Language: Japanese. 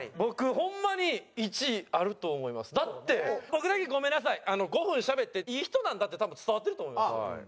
だって僕だけごめんなさい５分しゃべっていい人なんだって多分伝わってると思いますよ。